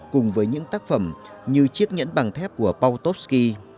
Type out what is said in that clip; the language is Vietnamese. cùng với những tác phẩm như chiếc nhẫn bằng thép của paul topski